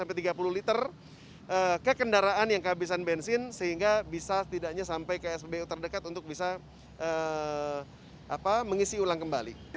jadi ke kendaraan yang kehabisan bensin sehingga bisa tidaknya sampai ke sbbu terdekat untuk bisa mengisi ulang kembali